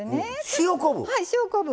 塩昆布！